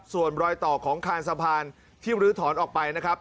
ส่วนรอยต่อของคานสะพานที่ลื้อถอนออกไปนะครับ